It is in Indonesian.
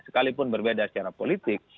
sekalipun berbeda secara politik